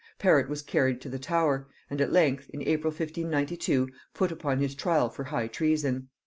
Perrot was carried to the Tower, and at length, in April 1592, put upon his trial for high treason.